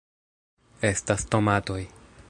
... estas tomatoj